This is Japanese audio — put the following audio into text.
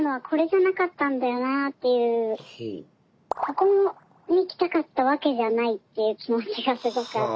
ここに来たかったわけじゃないという気持ちがすごくあって。